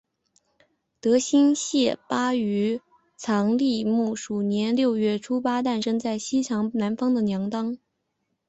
德新谢巴于藏历木鼠年六月初八诞生在西藏南方的娘当。